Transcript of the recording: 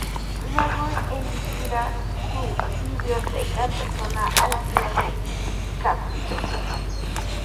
Legó en vida su biblioteca personal a la ciudad de Castellón.